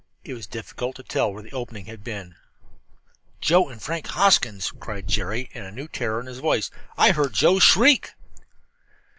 It was difficult to tell where the opening had been. "Joe and Frank Hoskins!" cried Jerry, a new terror in his voice. "I heard Joe shriek!"